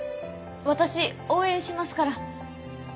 私応援しますから。